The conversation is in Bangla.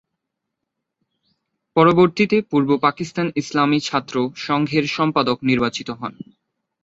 পরবর্তীতে পূর্ব পাকিস্তান ইসলামী ছাত্র সংঘের সম্পাদক নির্বাচিত হন।